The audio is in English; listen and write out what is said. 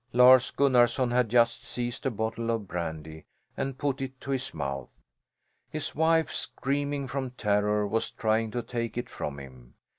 Lars Gunnarson had just seized a bottle of brandy and put it to his mouth. His wife, screaming from terror, was trying to take it from him.